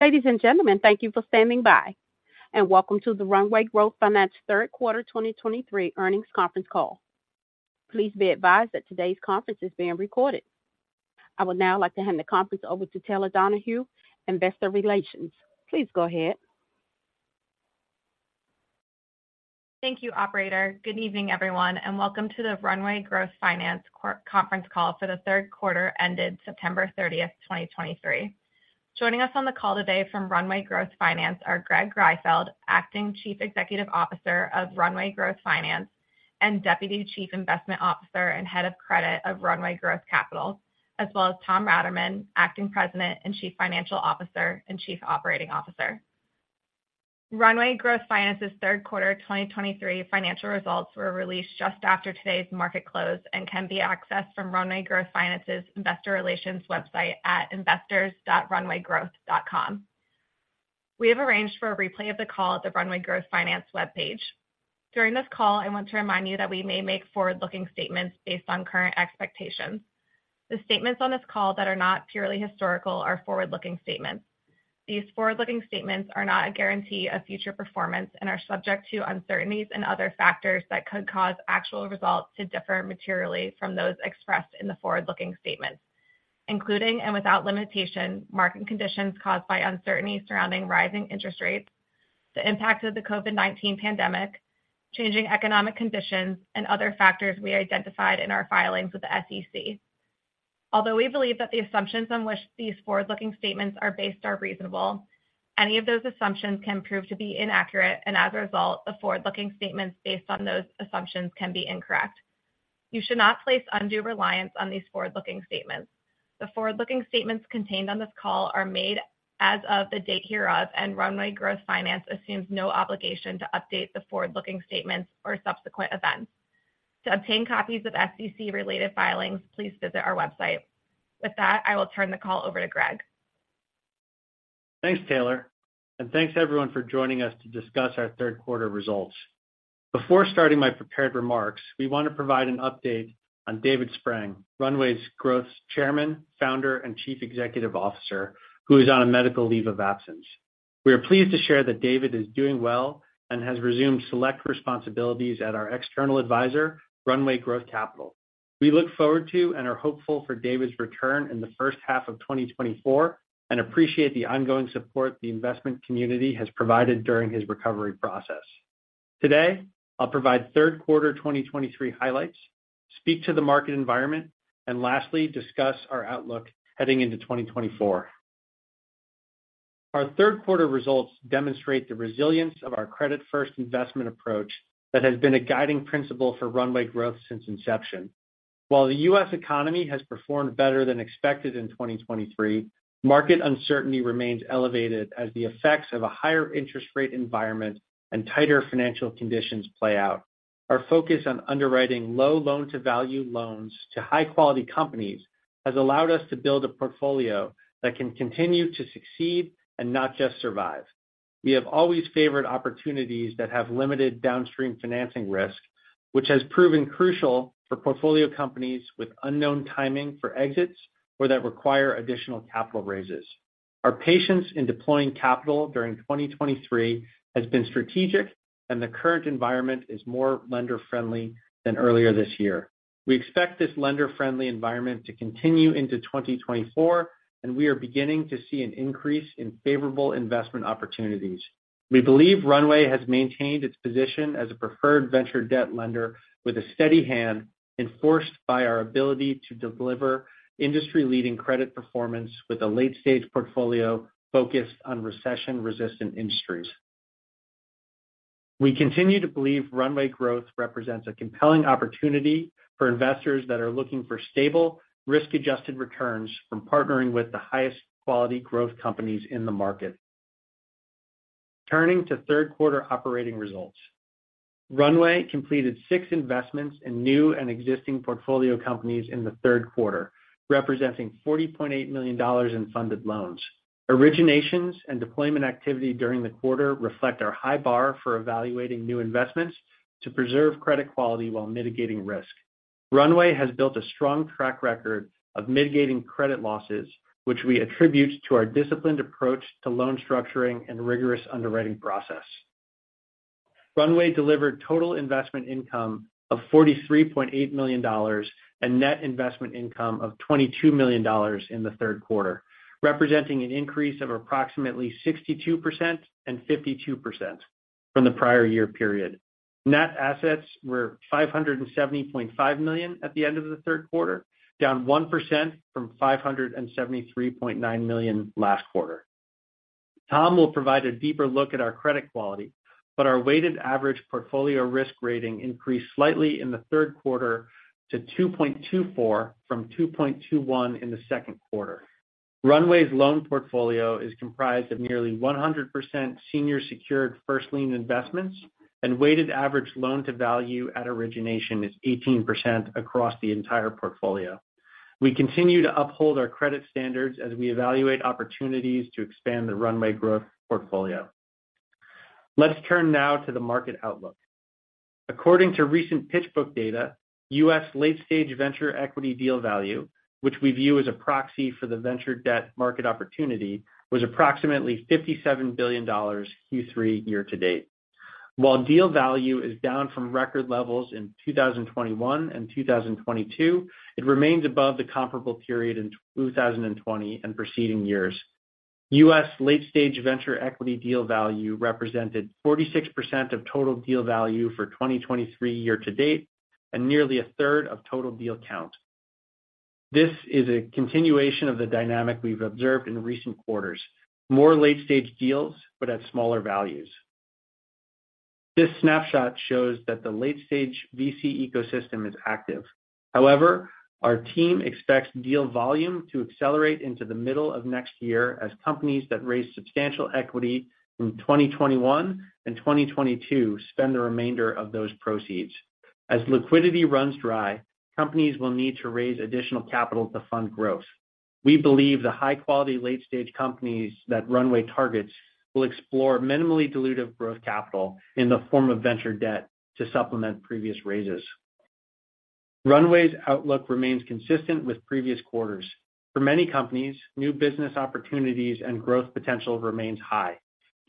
Ladies and gentlemen, thank you for standing by, and welcome to the Runway Growth Finance third quarter 2023 earnings conference call. Please be advised that today's conference is being recorded. I would now like to hand the conference over to Taylor Donahue, Investor Relations. Please go ahead. Thank you, Operator. Good evening, everyone, and welcome to the Runway Growth Finance conference call for the third quarter ended September 30th, 2023. Joining us on the call today from Runway Growth Finance are Greg Greifeld, Acting Chief Executive Officer of Runway Growth Finance, and Deputy Chief Investment Officer and Head of Credit of Runway Growth Capital, as well as Tom Raterman, Acting President, and Chief Financial Officer, and Chief Operating Officer. Runway Growth Finance's third quarter 2023 financial results were released just after today's market close and can be accessed from Runway Growth Finance's investor relations website at investors.runwaygrowth.com. We have arranged for a replay of the call at the Runway Growth Finance webpage. During this call, I want to remind you that we may make forward-looking statements based on current expectations. The statements on this call that are not purely historical are forward-looking statements. These forward-looking statements are not a guarantee of future performance and are subject to uncertainties and other factors that could cause actual results to differ materially from those expressed in the forward-looking statements, including and without limitation, market conditions caused by uncertainty surrounding rising interest rates, the impact of the COVID-19 pandemic, changing economic conditions, and other factors we identified in our filings with the SEC. Although we believe that the assumptions on which these forward-looking statements are based are reasonable, any of those assumptions can prove to be inaccurate, and as a result, the forward-looking statements based on those assumptions can be incorrect. You should not place undue reliance on these forward-looking statements. The forward-looking statements contained on this call are made as of the date hereof, and Runway Growth Finance assumes no obligation to update the forward-looking statements or subsequent events. To obtain copies of SEC-related filings, please visit our website. With that, I will turn the call over to Greg. Thanks, Taylor, and thanks everyone for joining us to discuss our third quarter results. Before starting my prepared remarks, we want to provide an update on David Spreng, Runway Growth's Chairman, Founder, and Chief Executive Officer, who is on a medical leave of absence. We are pleased to share that David is doing well and has resumed select responsibilities at our external advisor, Runway Growth Capital. We look forward to and are hopeful for David's return in the first half of 2024 and appreciate the ongoing support the investment community has provided during his recovery process. Today, I'll provide third quarter 2023 highlights, speak to the market environment, and lastly, discuss our outlook heading into 2024. Our third quarter results demonstrate the resilience of our credit-first investment approach that has been a guiding principle for Runway Growth since inception. While the US economy has performed better than expected in 2023, market uncertainty remains elevated as the effects of a higher interest rate environment and tighter financial conditions play out. Our focus on underwriting low loan-to-value loans to high-quality companies has allowed us to build a portfolio that can continue to succeed and not just survive. We have always favored opportunities that have limited downstream financing risk, which has proven crucial for portfolio companies with unknown timing for exits or that require additional capital raises. Our patience in deploying capital during 2023 has been strategic, and the current environment is more lender-friendly than earlier this year. We expect this lender-friendly environment to continue into 2024, and we are beginning to see an increase in favorable investment opportunities. We believe Runway has maintained its position as a preferred venture debt lender with a steady hand, enforced by our ability to deliver industry-leading credit performance with a late-stage portfolio focused on recession-resistant industries. We continue to believe Runway Growth represents a compelling opportunity for investors that are looking for stable, risk-adjusted returns from partnering with the highest quality growth companies in the market. Turning to third quarter operating results. Runway completed six investments in new and existing portfolio companies in the third quarter, representing $40.8 million in funded loans. Originations and deployment activity during the quarter reflect our high bar for evaluating new investments to preserve credit quality while mitigating risk. Runway has built a strong track record of mitigating credit losses, which we attribute to our disciplined approach to loan structuring and rigorous underwriting process. Runway delivered total investment income of $43.8 million and net investment income of $22 million in the third quarter, representing an increase of approximately 62% and 52% from the prior year period. Net assets were $570.5 million at the end of the third quarter, down 1% from $573.9 million last quarter. Tom will provide a deeper look at our credit quality, but our weighted average portfolio risk rating increased slightly in the third quarter to 2.24 from 2.21 in the second quarter. Runway's loan portfolio is comprised of nearly 100% senior secured first lien investments, and weighted average loan-to-value at origination is 18% across the entire portfolio. We continue to uphold our credit standards as we evaluate opportunities to expand the Runway Growth portfolio. Let's turn now to the market outlook. According to recent PitchBook data, US late-stage venture equity deal value, which we view as a proxy for the venture debt market opportunity, was approximately $57 billion Q3 year-to-date. While deal value is down from record levels in 2021 and 2022, it remains above the comparable period in 2020 and preceding years. US late-stage venture equity deal value represented 46% of total deal value for 2023 year-to-date, and nearly a third of total deal count. This is a continuation of the dynamic we've observed in recent quarters: more late-stage deals, but at smaller values. This snapshot shows that the late-stage VC ecosystem is active. However, our team expects deal volume to accelerate into the middle of next year as companies that raised substantial equity in 2021 and 2022 spend the remainder of those proceeds. As liquidity runs dry, companies will need to raise additional capital to fund growth. We believe the high-quality late-stage companies that Runway targets will explore minimally dilutive growth capital in the form of venture debt to supplement previous raises. Runway's outlook remains consistent with previous quarters. For many companies, new business opportunities and growth potential remains high.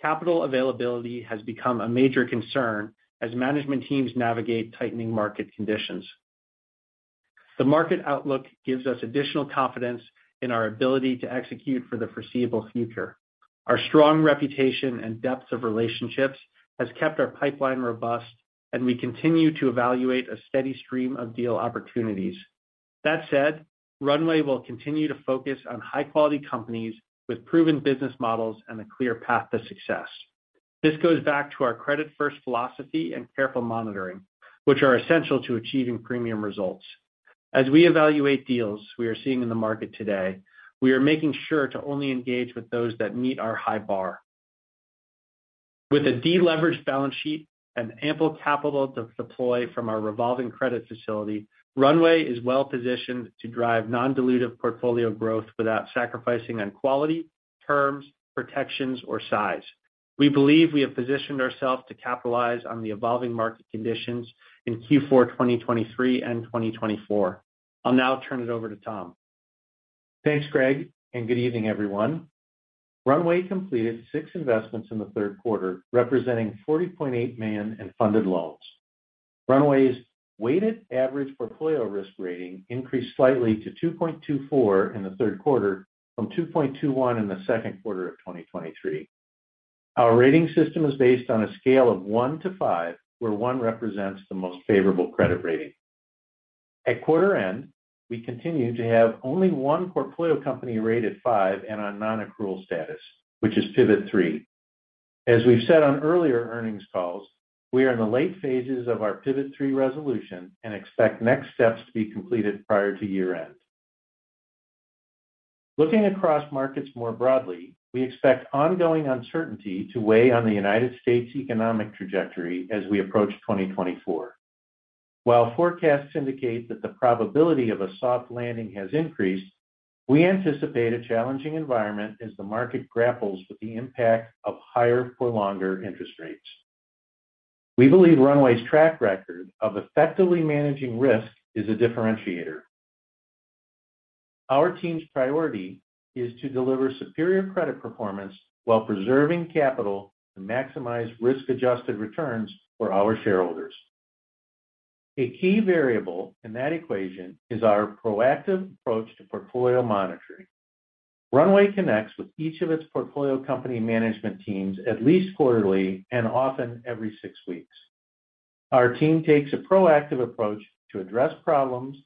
Capital availability has become a major concern as management teams navigate tightening market conditions. The market outlook gives us additional confidence in our ability to execute for the foreseeable future. Our strong reputation and depth of relationships has kept our pipeline robust, and we continue to evaluate a steady stream of deal opportunities. That said, Runway will continue to focus on high-quality companies with proven business models and a clear path to success. This goes back to our credit-first philosophy and careful monitoring, which are essential to achieving premium results. As we evaluate deals we are seeing in the market today, we are making sure to only engage with those that meet our high bar. With a deleveraged balance sheet and ample capital to deploy from our revolving credit facility, Runway is well positioned to drive non-dilutive portfolio growth without sacrificing on quality, terms, protections, or size. We believe we have positioned ourselves to capitalize on the evolving market conditions in Q4 2023 and 2024. I'll now turn it over to Tom. Thanks, Greg, and good evening, everyone. Runway completed six investments in the third quarter, representing $40.8 million in funded loans. Runway's weighted average portfolio risk rating increased slightly to 2.24 in the third quarter from 2.21 in the second quarter of 2023. Our rating system is based on a scale of one to five, where one represents the most favorable credit rating. At quarter-end, we continue to have only one portfolio company rated five and on non-accrual status, which is Pivot3. As we've said on earlier earnings calls, we are in the late phases of our Pivot3 resolution and expect next steps to be completed prior to year-end. Looking across markets more broadly, we expect ongoing uncertainty to weigh on the United States economic trajectory as we approach 2024. While forecasts indicate that the probability of a soft landing has increased, we anticipate a challenging environment as the market grapples with the impact of higher for longer interest rates. We believe Runway's track record of effectively managing risk is a differentiator. Our team's priority is to deliver superior credit performance while preserving capital to maximize risk-adjusted returns for our shareholders. A key variable in that equation is our proactive approach to portfolio monitoring. Runway connects with each of its portfolio company management teams at least quarterly and often every six weeks. Our team takes a proactive approach to address problems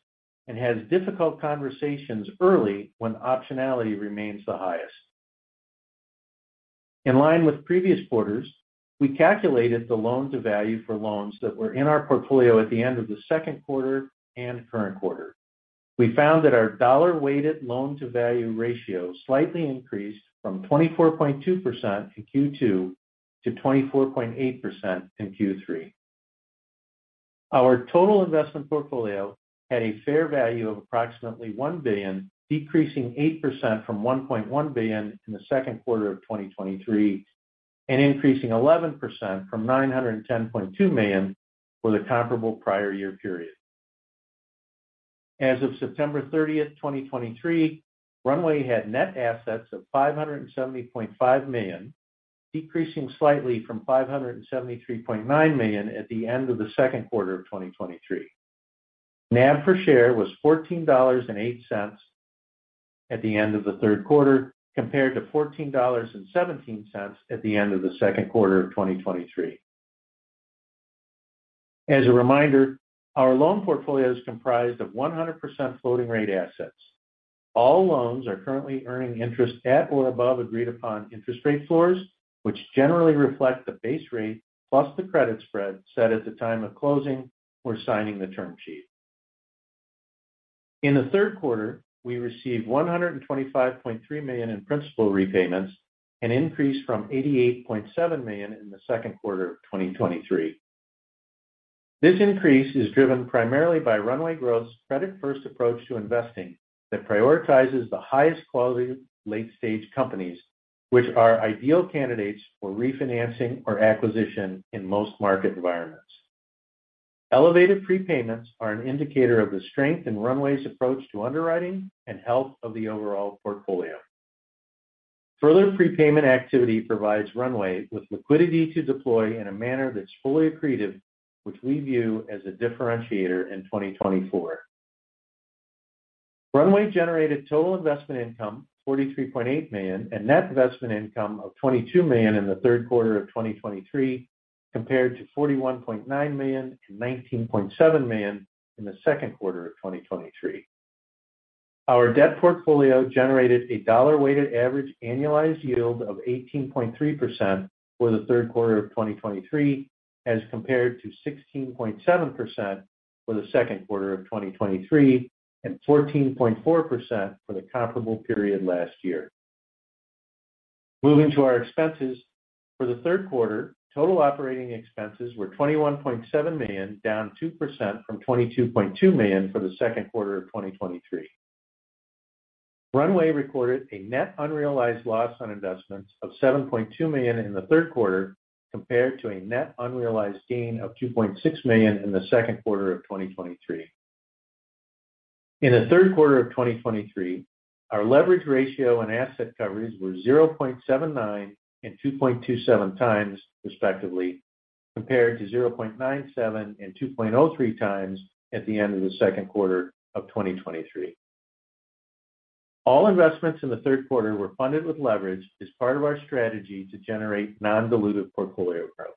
and has difficult conversations early when optionality remains the highest. In line with previous quarters, we calculated the loan-to-value for loans that were in our portfolio at the end of the second quarter and current quarter. We found that our dollar-weighted loan-to-value ratio slightly increased from 24.2% in Q2 to 24.8% in Q3. Our total investment portfolio had a fair value of approximately $1 billion, decreasing 8% from $1.1 billion in the second quarter of 2023, and increasing 11% from $910.2 million for the comparable prior year period. As of September 30th, 2023, Runway had net assets of $570.5 million, decreasing slightly from $573.9 million at the end of the second quarter of 2023. NAV per share was $14.08 at the end of the third quarter, compared to $14.17 at the end of the second quarter of 2023. As a reminder, our loan portfolio is comprised of 100% floating-rate assets. All loans are currently earning interest at or above agreed-upon interest rate floors, which generally reflect the base rate plus the credit spread set at the time of closing or signing the term sheet. In the third quarter, we received $125.3 million in principal repayments, an increase from $88.7 million in the second quarter of 2023. This increase is driven primarily by Runway Growth's credit-first approach to investing that prioritizes the highest quality late-stage companies, which are ideal candidates for refinancing or acquisition in most market environments. Elevated prepayments are an indicator of the strength in Runway's approach to underwriting and health of the overall portfolio. Further prepayment activity provides Runway with liquidity to deploy in a manner that's fully accretive, which we view as a differentiator in 2024. Runway generated total investment income, $43.8 million, and net investment income of $22 million in the third quarter of 2023, compared to $41.9 million and $19.7 million in the second quarter of 2023. Our debt portfolio generated a dollar weighted average annualized yield of 18.3% for the third quarter of 2023, as compared to 16.7% for the second quarter of 2023 and 14.4% for the comparable period last year. Moving to our expenses. For the third quarter, total operating expenses were $21.7 million, down 2% from $22.2 million for the second quarter of 2023. Runway recorded a net unrealized loss on investments of $7.2 million in the third quarter, compared to a net unrealized gain of $2.6 million in the second quarter of 2023. In the third quarter of 2023, our leverage ratio and asset coverage were 0.79 and 2.27 times, respectively, compared to 0.97 and 2.03 times at the end of the second quarter of 2023. All investments in the third quarter were funded with leverage as part of our strategy to generate non-dilutive portfolio growth.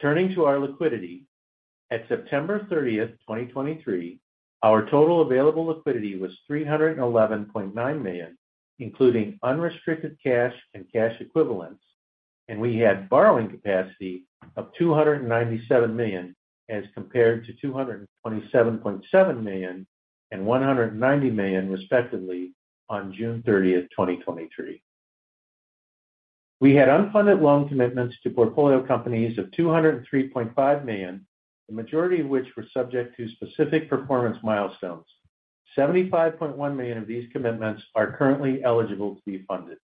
Turning to our liquidity, at September 30, 2023, our total available liquidity was $311.9 million, including unrestricted cash and cash equivalents, and we had borrowing capacity of $297 million, as compared to $227.7 million and $190 million, respectively, on June 30th, 2023. We had unfunded loan commitments to portfolio companies of $203.5 million, the majority of which were subject to specific performance milestones. $75.1 million of these commitments are currently eligible to be funded.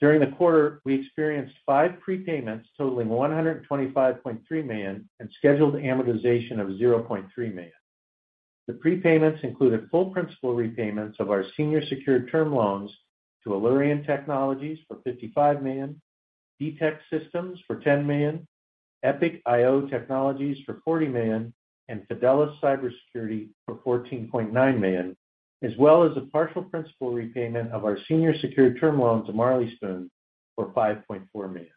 During the quarter, we experienced five prepayments totaling $125.3 million and scheduled amortization of $0.3 million. The prepayments included full principal repayments of our senior secured term loans to Allurion Technologies for $55 million, DTEX Systems for $10 million, EPIC iO Technologies for $40 million, and Fidelis Cybersecurity for $14.9 million, as well as a partial principal repayment of our senior secured term loan to Marley Spoon for $5.4 million.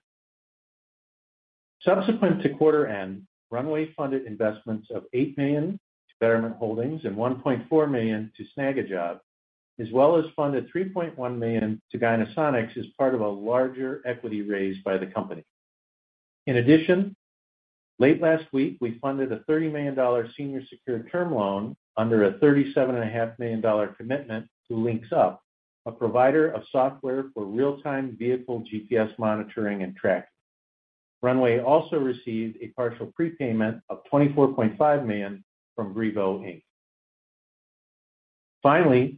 Subsequent to quarter end, Runway funded investments of $8 million to Betterment Holdings and $1.4 million to Snagajob, as well as funded $3.1 million to Gynesonics as part of a larger equity raise by the company. In addition, late last week, we funded a $30 million senior secured term loan under a $37.5 million commitment to Linxup, a provider of software for real-time vehicle GPS monitoring and tracking. Runway also received a partial prepayment of $24.5 million from Brivo, Inc. Finally,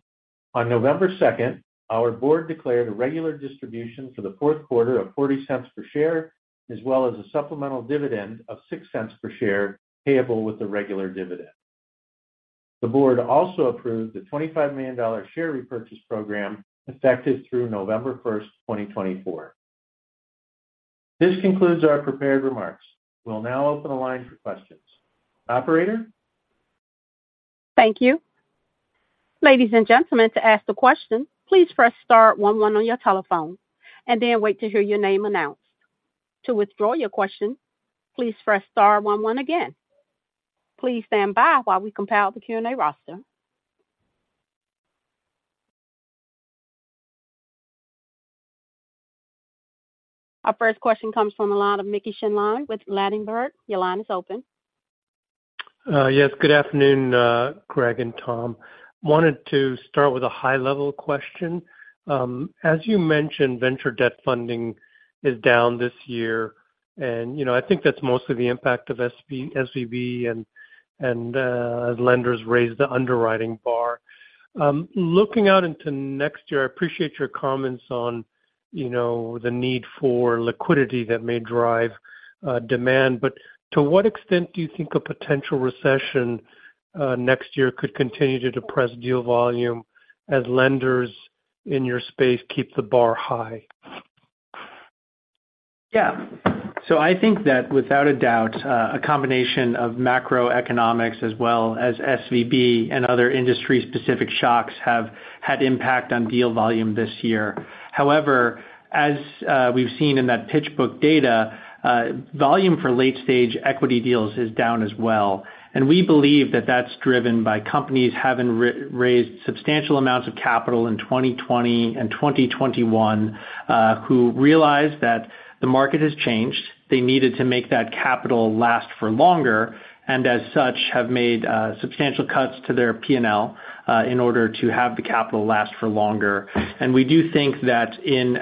on November 2nd, our board declared a regular distribution for the fourth quarter of $0.40 per share, as well as a supplemental dividend of $0.06 per share, payable with the regular dividend. The board also approved the $25 million share repurchase program, effective through November 1st, 2024. This concludes our prepared remarks. We'll now open the line for questions. Operator? Thank you. Ladies and gentlemen, to ask a question, please press star one one on your telephone and then wait to hear your name announced. To withdraw your question, please press star one one again. Please stand by while we compile the Q&A roster. Our first question comes from the line of Mickey Schleien with Ladenburg. Your line is open. Yes, good afternoon, Greg and Tom. Wanted to start with a high-level question. As you mentioned, venture debt funding is down this year, and, you know, I think that's mostly the impact of SVB and lenders raised the underwriting bar. Looking out into next year, I appreciate your comments on, you know, the need for liquidity that may drive demand. But to what extent do you think a potential recession next year could continue to depress deal volume as lenders in your space keep the bar high? Yeah. So I think that without a doubt, a combination of macroeconomics as well as SVB and other industry-specific shocks have had impact on deal volume this year. However, as we've seen in that PitchBook data, volume for late stage equity deals is down as well. And we believe that that's driven by companies having re-raised substantial amounts of capital in 2020 and 2021, who realized that the market has changed. They needed to make that capital last for longer, and as such, have made substantial cuts to their PNL, in order to have the capital last for longer. We do think that in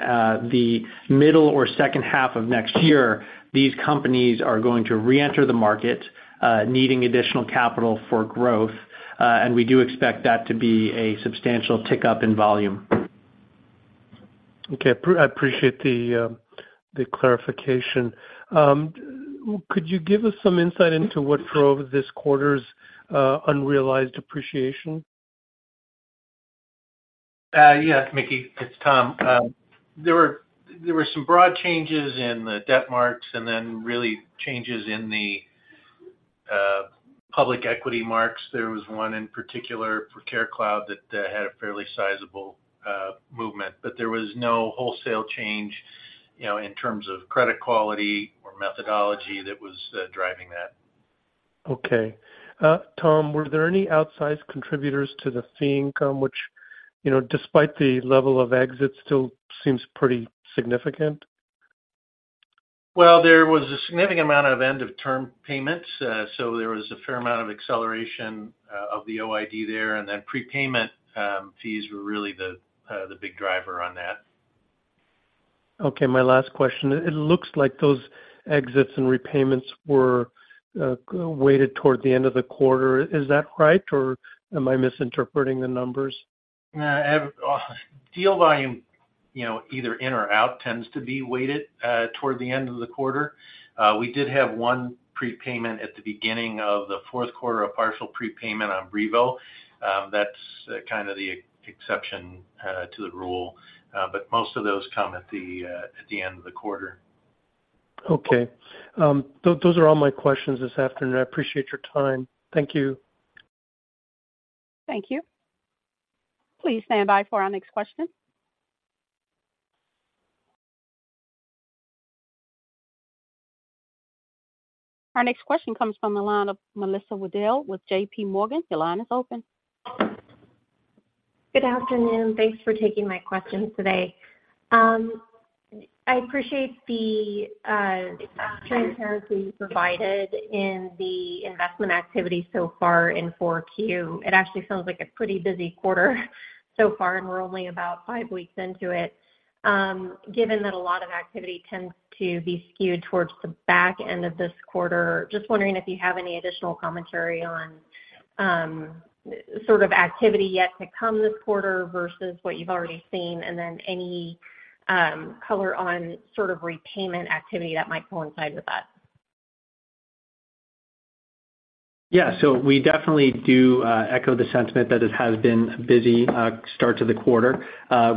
the middle or second half of next year, these companies are going to reenter the market, needing additional capital for growth, and we do expect that to be a substantial tick up in volume. Okay, I appreciate the clarification. Could you give us some insight into what drove this quarter's unrealized appreciation? Yes, Mickey, it's Tom. There were some broad changes in the debt marks and then really changes in the public equity marks. There was one in particular for CareCloud that had a fairly sizable movement. But there was no wholesale change, you know, in terms of credit quality or methodology that was driving that. Okay. Tom, were there any outsized contributors to the fee income, which, you know, despite the level of exits, still seems pretty significant? Well, there was a significant amount of end-of-term payments, so there was a fair amount of acceleration of the OID there, and then prepayment fees were really the big driver on that. Okay, my last question. It looks like those exits and repayments were weighted toward the end of the quarter. Is that right, or am I misinterpreting the numbers? Deal volume, you know, either in or out, tends to be weighted toward the end of the quarter. We did have one prepayment at the beginning of the fourth quarter, a partial prepayment on Brivo. That's kind of the exception to the rule. But most of those come at the end of the quarter. Okay. Those are all my questions this afternoon. I appreciate your time. Thank you. Thank you. Please stand by for our next question. Our next question comes from the line of Melissa Waddell with JPMorgan. Your line is open. Good afternoon. Thanks for taking my questions today. I appreciate the transparency provided in the investment activity so far in Q4. It actually sounds like a pretty busy quarter so far, and we're only about five weeks into it. Given that a lot of activity tends to be skewed towards the back end of this quarter, just wondering if you have any additional commentary on sort of activity yet to come this quarter versus what you've already seen, and then any color on sort of repayment activity that might coincide with that. Yeah. So we definitely do echo the sentiment that it has been a busy start to the quarter.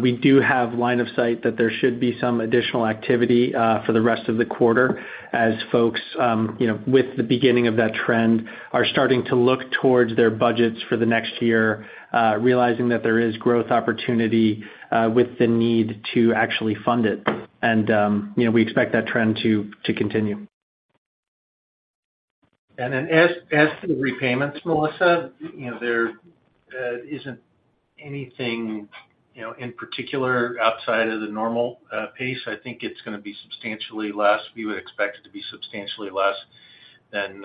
We do have line of sight that there should be some additional activity for the rest of the quarter as folks, you know, with the beginning of that trend, are starting to look towards their budgets for the next year, realizing that there is growth opportunity with the need to actually fund it. And, you know, we expect that trend to continue. And then as to the repayments, Melissa, you know, there isn't anything, you know, in particular outside of the normal pace. I think it's gonna be substantially less. We would expect it to be substantially less than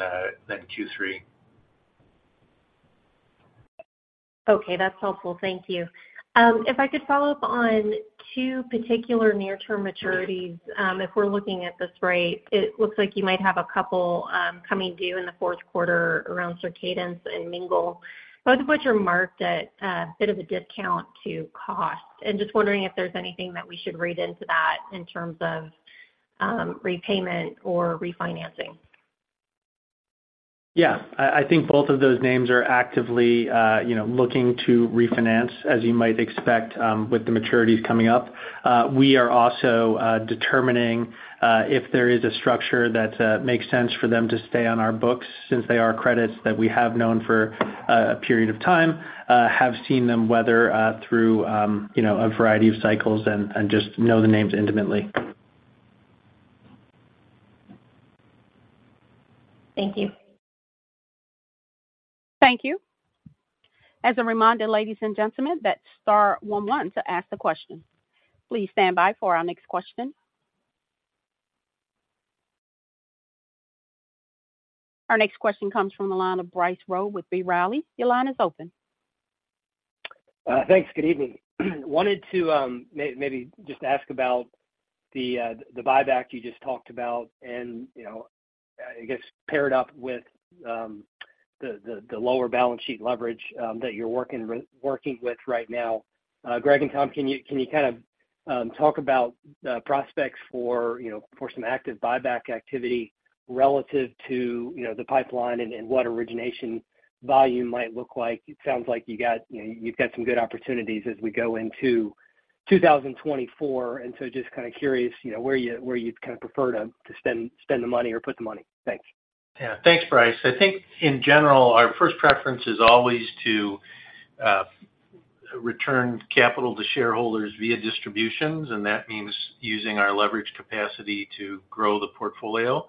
Q3. Okay. That's helpful. Thank you. If I could follow up on two particular near-term maturities. If we're looking at the spread, it looks like you might have a couple coming due in the fourth quarter around Circadence and Mingle. Both of which are marked at a bit of a discount to cost. Just wondering if there's anything that we should read into that in terms of repayment or refinancing. Yeah. I, I think both of those names are actively, you know, looking to refinance, as you might expect, with the maturities coming up. We are also determining if there is a structure that makes sense for them to stay on our books since they are credits that we have known for a period of time, have seen them weather through, you know, a variety of cycles and just know the names intimately. Thank you. Thank you. As a reminder, ladies and gentlemen, that's star one one to ask a question. Please stand by for our next question. Our next question comes from the line of Bryce Rowe with B. Riley. Your line is open. Thanks. Good evening. Wanted to maybe just ask about the buyback you just talked about and, you know, I guess paired up with the lower balance sheet leverage that you're working with right now. Greg and Tom, can you kind of talk about the prospects for, you know, for some active buyback activity relative to, you know, the pipeline and what origination volume might look like? It sounds like you've got some good opportunities as we go into 2024, and so just kind of curious, you know, where you'd kind of prefer to spend the money or put the money. Thanks. Yeah. Thanks, Bryce. I think in general, our first preference is always to return capital to shareholders via distributions, and that means using our leverage capacity to grow the portfolio.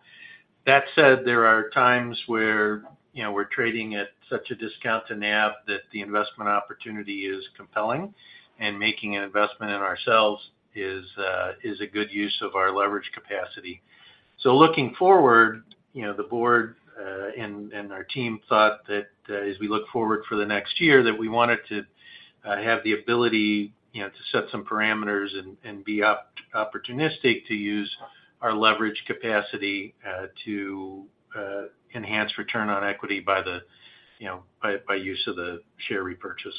That said, there are times where, you know, we're trading at such a discount to NAV that the investment opportunity is compelling, and making an investment in ourselves is a good use of our leverage capacity. So looking forward, you know, the board and our team thought that as we look forward for the next year, that we wanted to have the ability, you know, to set some parameters and be opportunistic to use our leverage capacity to enhance return on equity by the, you know, by use of the share repurchase.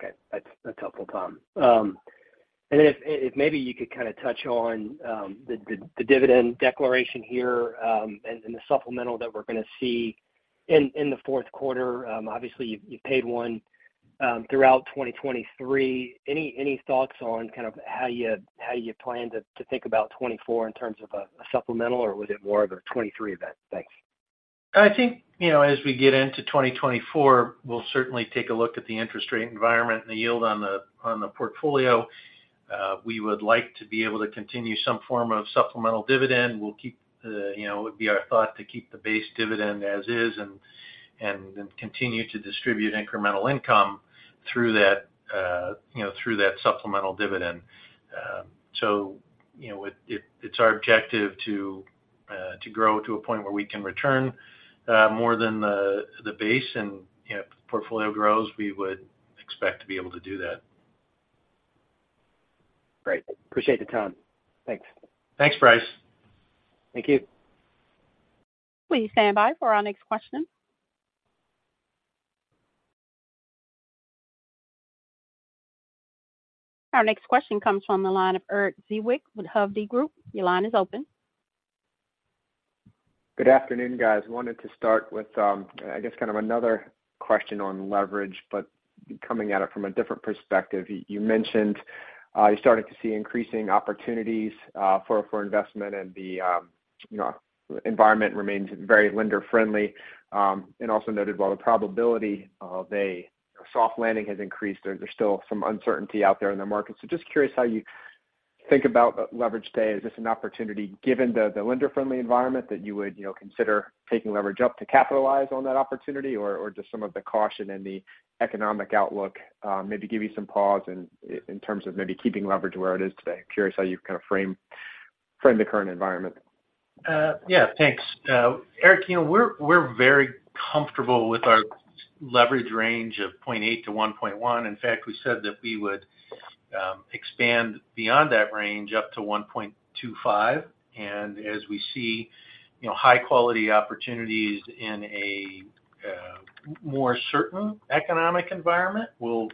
Okay. That's helpful, Tom. And if maybe you could kind of touch on the dividend declaration here, and the supplemental that we're gonna see in the fourth quarter. Obviously, you've paid one throughout 2023. Any thoughts on kind of how you plan to think about 2024 in terms of a supplemental, or was it more of a 2023 event? Thanks. I think, you know, as we get into 2024, we'll certainly take a look at the interest rate environment and the yield on the, on the portfolio. We would like to be able to continue some form of supplemental dividend. We'll keep, you know, it would be our thought to keep the base dividend as is, and, and then continue to distribute incremental income through that, you know, through that supplemental dividend. So, you know, it, it's our objective to, to grow to a point where we can return, more than the, the base. And, you know, if the portfolio grows, we would expect to be able to do that. Great. Appreciate the time. Thanks. Thanks, Bryce. Thank you. Please stand by for our next question. Our next question comes from the line of Erik Zwick with Hovde Group. Your line is open. Good afternoon, guys. Wanted to start with, I guess kind of another question on leverage, but coming at it from a different perspective. You mentioned, you're starting to see increasing opportunities, for investment and the, you know, environment remains very lender-friendly. And also noted while the probability of a soft landing has increased, there's still some uncertainty out there in the market. So just curious how you think about leverage today. Is this an opportunity, given the lender-friendly environment, that you would, you know, consider taking leverage up to capitalize on that opportunity? Or just some of the caution in the economic outlook, maybe give you some pause in terms of maybe keeping leverage where it is today. Curious how you kind of frame the current environment? Yeah, thanks. Erik, you know, we're very comfortable with our leverage range of 0.8-1.1. In fact, we said that we would expand beyond that range up to 1.25, and as we see, you know, high-quality opportunities in a more certain economic environment, we'll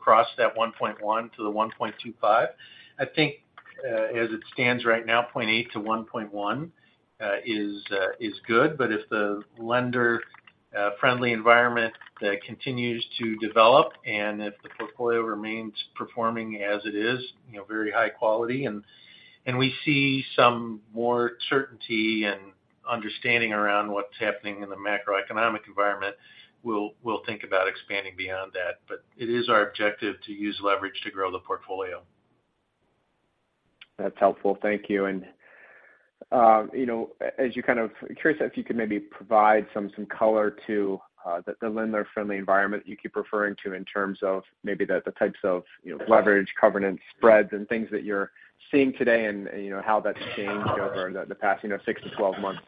cross that 1.1 -1.25. I think, as it stands right now, 0.8-1.1 is good. But if the lender-friendly environment continues to develop, and if the portfolio remains performing as it is, you know, very high quality, and we see some more certainty and understanding around what's happening in the macroeconomic environment, we'll think about expanding beyond that. But it is our objective to use leverage to grow the portfolio. That's helpful. Thank you. And you know, as you kind of—curious if you could maybe provide some color to the lender-friendly environment you keep referring to in terms of maybe the types of, you know, leverage, covenants, spreads, and things that you're seeing today and, you know, how that's changed over the past, you know, six to 12 months.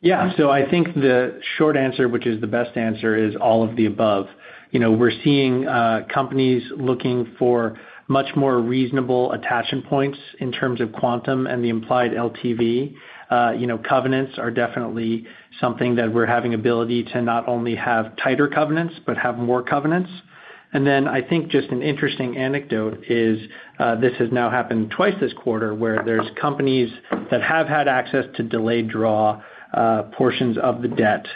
Yeah. So I think the short answer, which is the best answer, is all of the above. You know, we're seeing, companies looking for much more reasonable attachment points in terms of quantum and the implied LTV. You know, covenants are definitely something that we're having ability to not only have tighter covenants, but have more covenants. And then I think just an interesting anecdote is, this has now happened twice this quarter, where there's companies that have had access to delayed draw, portions of the debt,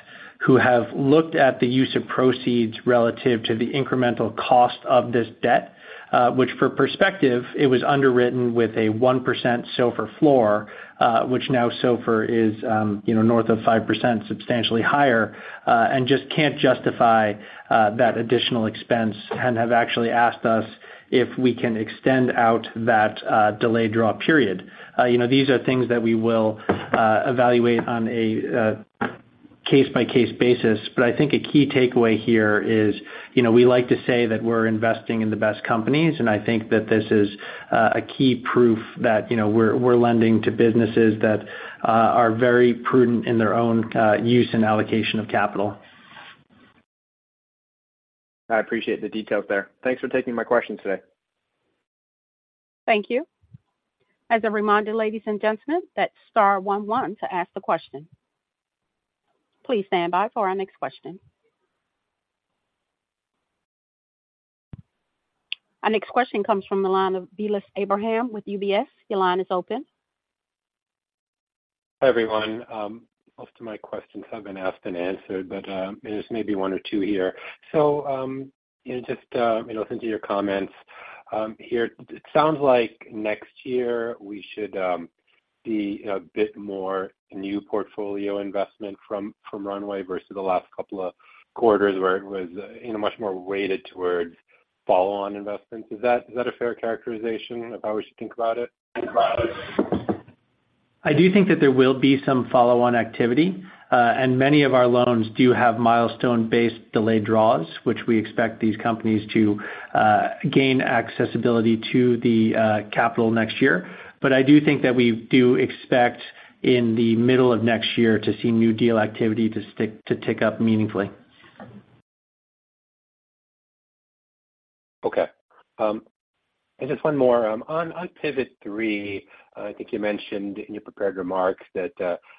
who have looked at the use of proceeds relative to the incremental cost of this debt. Which, for perspective, it was underwritten with a 1% SOFR floor, which now SOFR is, you know, north of 5%, substantially higher, and just can't justify that additional expense and have actually asked us if we can extend out that delayed draw period. You know, these are things that we will evaluate on a case-by-case basis. But I think a key takeaway here is, you know, we like to say that we're investing in the best companies, and I think that this is a key proof that, you know, we're, we're lending to businesses that are very prudent in their own use and allocation of capital. I appreciate the detail there. Thanks for taking my question today. Thank you. As a reminder, ladies and gentlemen, that's star one one to ask the question. Please stand by for our next question. Our next question comes from the line of Vilas Abraham with UBS. Your line is open. Hi, everyone. Most of my questions have been asked and answered, but there's maybe one or two here. So, you know, just you know, listening to your comments here, it sounds like next year we should be a bit more new portfolio investment from Runway versus the last couple of quarters, where it was, you know, much more weighted towards follow-on investments. Is that a fair characterization of how we should think about it? I do think that there will be some follow-on activity, and many of our loans do have milestone-based delayed draws, which we expect these companies to gain accessibility to the capital next year. But I do think that we do expect, in the middle of next year, to see new deal activity to tick up meaningfully. Okay. And just one more. On, on Pivot3, I think you mentioned in your prepared remarks that,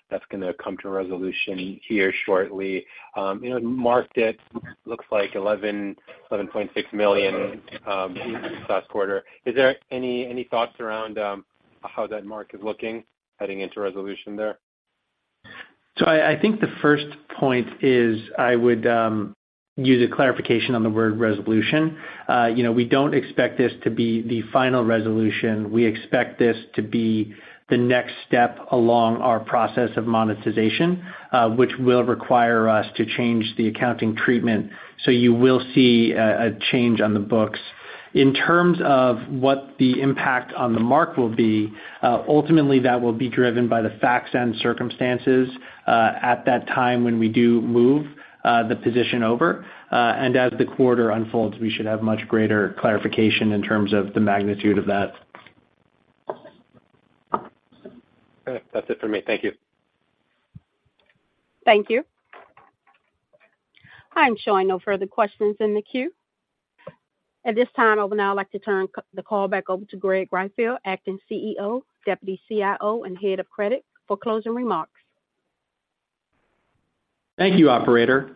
that's gonna come to a resolution here shortly. You know, marked it looks like $11.6 million, last quarter. Is there any, any thoughts around, how that mark is looking heading into resolution there? So I think the first point is I would use a clarification on the word resolution. You know, we don't expect this to be the final resolution. We expect this to be the next step along our process of monetization, which will require us to change the accounting treatment, so you will see a change on the books. In terms of what the impact on the mark will be, ultimately, that will be driven by the facts and circumstances at that time when we do move the position over. And as the quarter unfolds, we should have much greater clarification in terms of the magnitude of that. Okay. That's it for me. Thank you. Thank you. I'm showing no further questions in the queue. At this time, I would now like to turn the call back over to Greg Greifeld, acting CEO, Deputy CIO, and Head of Credit, for closing remarks. Thank you, Operator.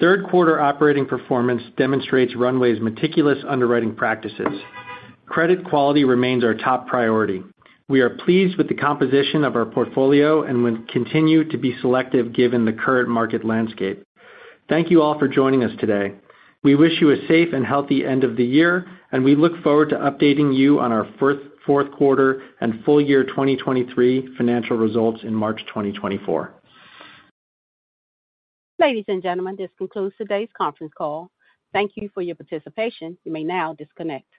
Third quarter operating performance demonstrates Runway's meticulous underwriting practices. Credit quality remains our top priority. We are pleased with the composition of our portfolio and will continue to be selective given the current market landscape. Thank you all for joining us today. We wish you a safe and healthy end of the year, and we look forward to updating you on our first fourth quarter and full year 2023 financial results in March 2024. Ladies and gentlemen, this concludes today's conference call. Thank you for your participation. You may now disconnect.